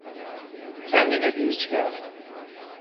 Kendine bir içki al.